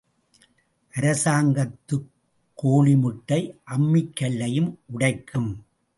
அரசாங்கத்துக் கோழிமுட்டை அம்மிக் கல்லையும் உடைக்கும்.